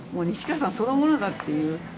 西川さんそのものだっていう。